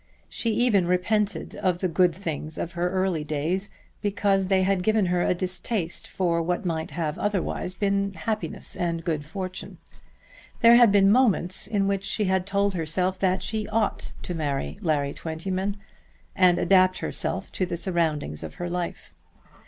She even repented of the good things of her early days because they had given her a distaste for what might have otherwise been happiness and good fortune. There had been moments in which she had told herself that she ought to marry Larry Twentyman and adapt herself to the surroundings of her life.